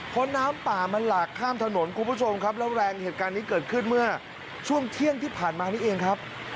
เพราะน้ำป่ามันหลากข้ามถนนคุณผู้ชมครับแล้วแรงเหตุการณ์นี้เกิดขึ้นเมื่อช่วงเที่ยงที่ผ่านมานี่เองครับ